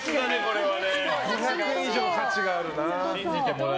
５００円以上の価値があるな。